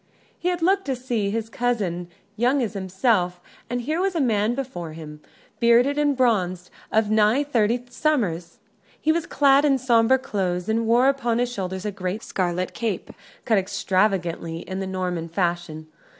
He had looked to see his cousin young as himself, and here was a man before him, bearded and bronzed, of nigh thirty summers. He was clad in sombre clothes, and wore upon his shoulders a great scarlet cape, cut extravagantly in the Norman fashion.